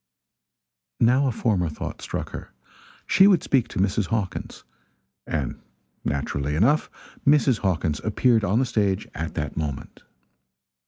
Now a former thought struck her she would speak to Mrs. Hawkins. And naturally enough Mrs. Hawkins appeared on the stage at that moment.